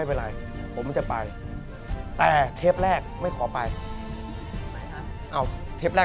เพราะว่าถ้าเกิดผมมาเทปแรก